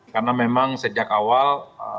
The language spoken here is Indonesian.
karena memang sejak awal